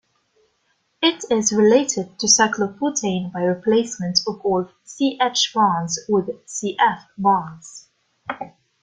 It is related to cyclobutane by replacement of all C-H bonds with C-F bonds.